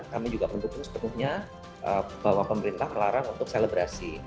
kami juga mendukung sepenuhnya bahwa pemerintah melarang untuk selebrasi